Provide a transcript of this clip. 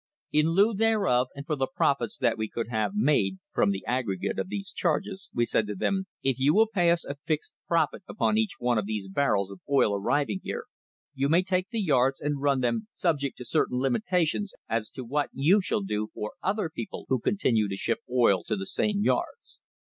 "In lieu thereof and for the profits that we could have made from the aggregate of these charges, we said to them: ( If you will pay us a fixed profit upon each one of these barrels of oil arriving here, you may take the yards and run them subject to certain limitations as to what you shall do for other people who continue to ship oil to the same yards.'